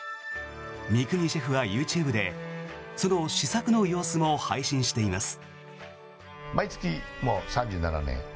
三國シェフはＹｏｕＴｕｂｅでその試作の様子も配信しています。